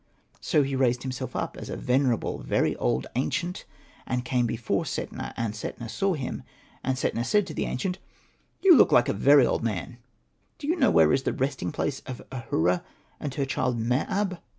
So he raised himself up as a venerable, very old, ancient, and came before Setna. And Setna saw him, and Setna said to the ancient, '^ You look like a very old man, do you know where is the resting place of Ahura and her child Mer ab